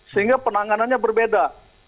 sehingga penanganannya berbeda